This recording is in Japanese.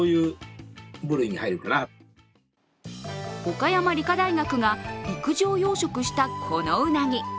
岡山理科大学が陸上養殖したこのうなぎ。